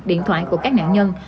điện thoại của các nạn nhân